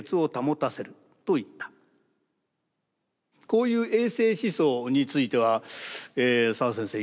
こういう衛生思想については澤先生